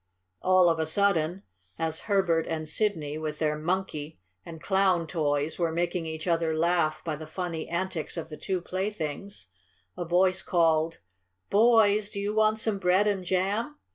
All of a sudden, as Herbert and Sidney, with their Monkey and Clown toys, were making each other laugh by the funny antics of the two playthings, a voice called: "Boys, do you want some bread and jam?"